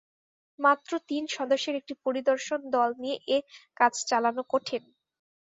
মাত্র তিন সদস্যের একটি পরিদর্শন দল দিয়ে এ কাজ চালানো কঠিন।